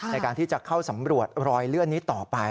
ในการที่จะเข้าสำรวจรอยเลื่อนนี้ต่อไป